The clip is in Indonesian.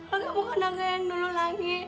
olga bukan olga yang dulu lagi